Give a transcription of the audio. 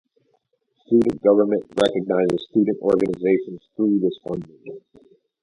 Student Government recognizes student organizations through this funding.